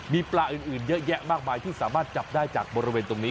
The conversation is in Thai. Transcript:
มีปลาอื่นเยอะแยะมากมายที่สามารถจับได้จากบริเวณตรงนี้